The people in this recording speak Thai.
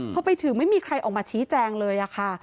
พอไปถึงไม่มีใครออกมาชี้แจงเลยค่ะ